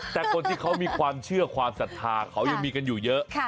แต่คนที่เขามีความเชื่อความศรัทธาเขายังมีกันอยู่เยอะ